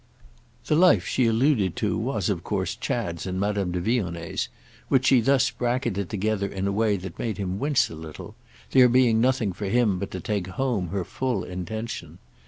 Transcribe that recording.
The life she alluded to was of course Chad's and Madame de Vionnet's, which she thus bracketed together in a way that made him wince a little; there being nothing for him but to take home her full intention.